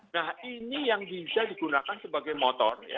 nah ini yang bisa digunakan sebagai motor